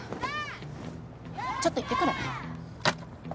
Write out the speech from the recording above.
ちょっと言ってくるね。